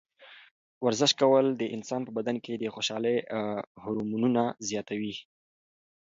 ورزش کول د انسان په بدن کې د خوشحالۍ هورمونونه زیاتوي.